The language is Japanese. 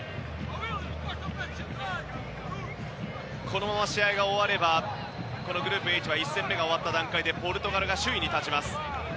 このまま試合が終わればグループＨは１戦目が終わった段階でポルトガルが首位に立ちます。